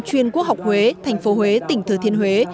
chuyên quốc học huế thành phố huế tỉnh thừa thiên huế